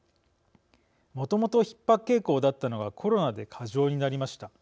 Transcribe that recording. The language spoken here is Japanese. もともと、ひっ迫傾向だったのがコロナで過剰になりました。